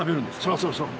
そうそうそう。